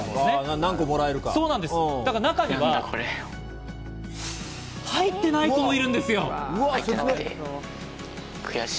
だから中には入ってない子もいるんです。